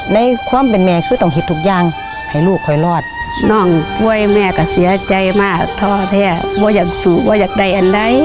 ในความเป็นแม่คือต้องทำให้โดยทุกอย่างให้ลูกคอยรอด